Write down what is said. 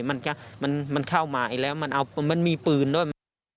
มันเข้ามาอีกแล้วมันมีปืนด้วย